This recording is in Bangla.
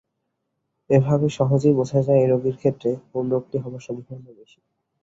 এভাবে সহজেই বোঝা যায় এই রোগীর ক্ষেত্রে কোন রোগটি হবার সম্ভাবনা বেশী।